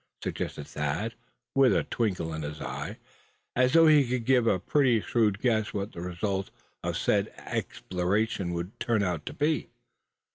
suggested Thad, with a twinkle in his eye, as though he could give a pretty shrewd guess what the result of the said exploration would turn out to be.